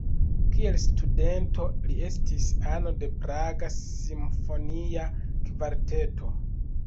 Kiel studento li estis ano de Praga simfonia kvarteto.